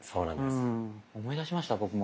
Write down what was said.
思い出しました僕も。